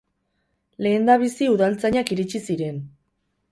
Lehendabizi udaltzainak iritsi ziren.